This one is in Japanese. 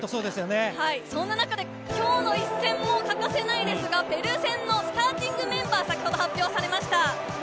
そんな中、今日の一戦も欠かせないんですが、ペルー戦のスターティングメンバー、先ほど発表されました。